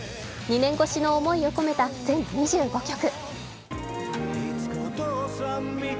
２年越しの思いを込めた全２５曲。